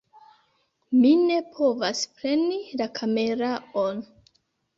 Mi ne povas preni la kameraon